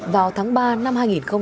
vào tháng ba năm hai nghìn hai mươi ba